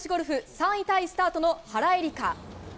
３位タイスタートの原英莉花。